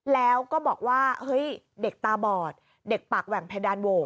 แล้วก็บอกว่าเฮ้ยเด็กตาบอดเด็กปากแหว่งเพดานโหวต